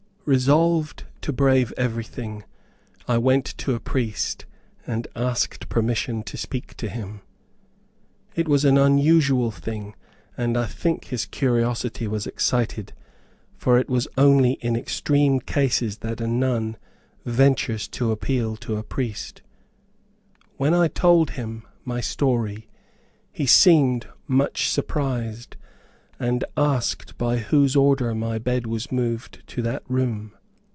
Resolved to brave everything, I went to a priest and asked permission to speak to him. It was an unusual thing, and I think his curiosity was excited, for it was only in extreme cases that a nun ventures to appeal to a priest When I told him my story, he seemed much surprised, and asked by whose order my bed was moved to that room.